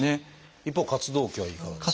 一方活動期はいかがですか？